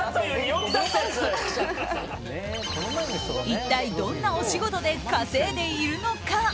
一体どんなお仕事で稼いでいるのか？